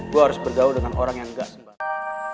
gue harus bergaul dengan orang yang gak sembarangan